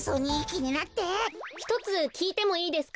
ひとつきいてもいいですか？